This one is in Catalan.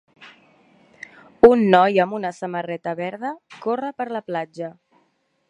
Un noi amb una samarreta verda corre per la platja.